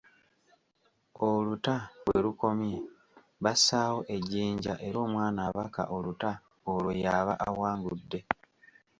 Oluta we lukomye, bassaawo ejjinja era omwana abaka oluta olwo yaaba awangudde.